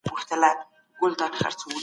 دا ملي شورا به نوي تړونونه لاسليک کړي.